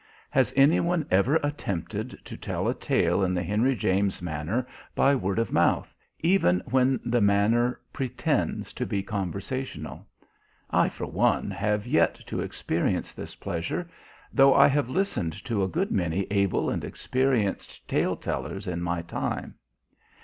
Has any one ever attempted to tell a tale in the Henry James manner by word of mouth, even when the manner pretends to be conversational? I, for one, have yet to experience this pleasure, though I have listened to a good many able and experienced tale tellers in my time.